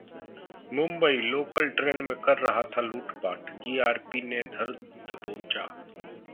Mumbai: local train में कर रहा था लूटपाट, जीआरपी ने धर दबोचा